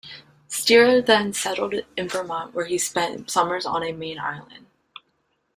Steiner then settled in Vermont, where he spent summers on a Maine island.